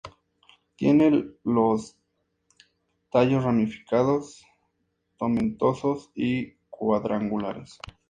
Tiene los tallos ramificados, tomentosos y cuadrangulares.